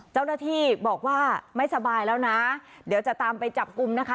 เจ้าหน้าที่บอกว่าไม่สบายแล้วนะเดี๋ยวจะตามไปจับกลุ่มนะคะ